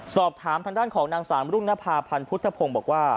สอบถามทางด้านของนางสามรุ่งนภาพันธ์พุทธพงศ์บอกว่า